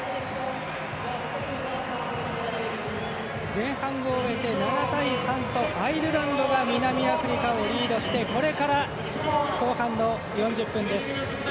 前半を終えて７対３とアイルランドが南アフリカをリードしてこれから後半の４０分です。